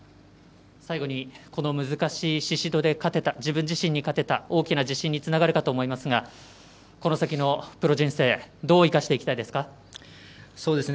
最後にこの難しい宍戸で勝てた自分自身に勝てた大きな自信につながるかと思いますがこの先のプロ人生どう生かしていきたいですか？